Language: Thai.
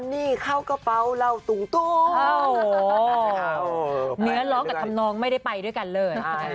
เนื้อร้องกับทำนองไม่ได้ไปด้วยกันเลย